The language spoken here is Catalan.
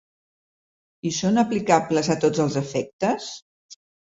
I són aplicables a tots els efectes?